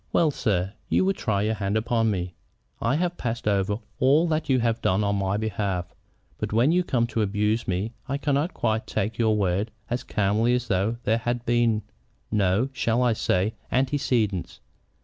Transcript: "Well, sir, you would try your hand upon me. I have passed over all that you have done on my behalf. But when you come to abuse me I cannot quite take your words as calmly as though there had been no, shall I say, antecedents?